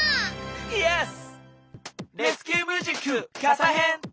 イエス！